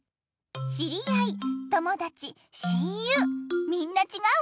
知り合い友だち親友みんなちがうわ。